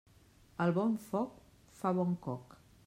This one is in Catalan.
El bon foc fa bon coc.